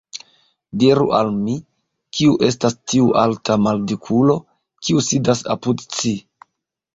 Diru al mi, kiu estas tiu alta maldikulo, kiu sidas apud ci?